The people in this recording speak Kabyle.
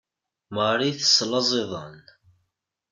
Marie teslaẓ iḍan.